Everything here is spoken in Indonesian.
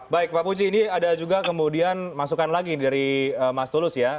baik pak puji ini ada juga kemudian masukan lagi dari mas tulus ya